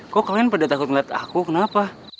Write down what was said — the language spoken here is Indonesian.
kok kalian pada takut ngeliat aku kenapa